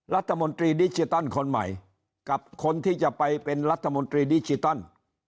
รัฐมนตรีดิจิตอลคนใหม่กับคนที่จะไปเป็นรัฐมนตรีดิจิตอล